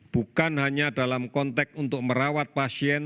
bukan hanya dalam konteks untuk merawat pasien